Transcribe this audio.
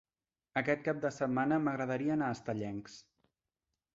Aquest cap de setmana m'agradaria anar a Estellencs.